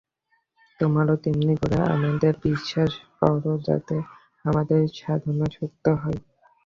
তোমরাও তেমনি করে আমাদের বিশ্বাস করো যাতে আমাদের সাধনা সত্য হয়।